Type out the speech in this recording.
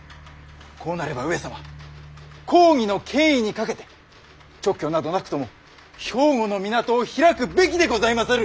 こうなれば上様公儀の権威にかけて勅許などなくとも兵庫の港を開くべきでございまする！